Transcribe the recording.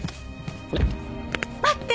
待って！